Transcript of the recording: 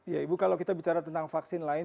ya ibu kalau kita bicara tentang vaksin lain